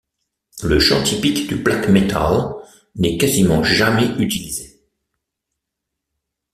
Le chant typique du black metal n'est quasiment jamais utilisé.